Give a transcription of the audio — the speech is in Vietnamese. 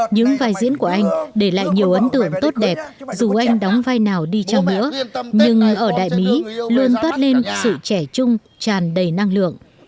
những vai diễn của anh để lại nhiều ấn tượng tốt đẹp dù anh đóng vai nào đi chăng nữa nhưng ở đại mỹ luôn toát lên sự trẻ chung tràn đầy năng lượng